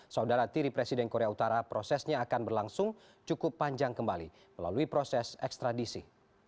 saudara tiri presiden korea utara prosesnya akan berlangsung cukup panjang kembali melalui proses ekstradisi